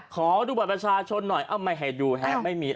ขอดูบัตรประชาชนหน่อยเอาไม่ให้ดูฮะไม่มี